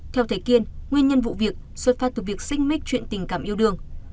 theo thầy kiên nguyên nhân vụ việc xuất phát từ việc xích mít chuyện tình cảm yêu đương